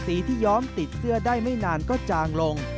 สีที่ย้อมติดเสื้อได้ไม่นานก็จางลง